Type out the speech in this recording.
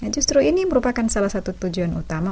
justru ini merupakan salah satu tujuan utama